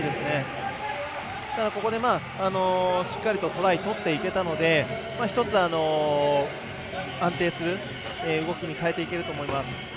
ここで、しっかりとトライ、とっていけたので１つ、安定する動きに変えていけると思います。